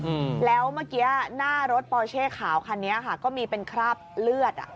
อืมแล้วเมื่อกี้หน้ารถปอเช่ขาวคันนี้ค่ะก็มีเป็นคราบเลือดอ่ะ